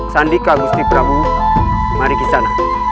sandika gusti prabu mari ke sana